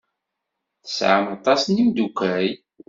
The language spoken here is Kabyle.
Tesɛam aṭas n imeddukal.